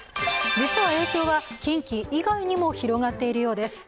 実は影響は近畿以外にも広がっているようです